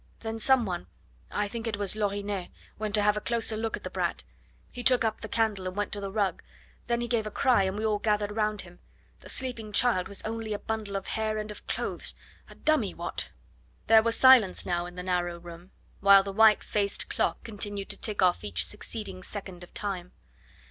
Then some one I think it was Lorinet went to have a closer look at the brat. He took up the candle and went up to the rug. Then he gave a cry, and we all gathered round him. The sleeping child was only a bundle of hair and of clothes, a dummy what?" There was silence now in the narrow room, while the white faced clock continued to tick off each succeeding second of time.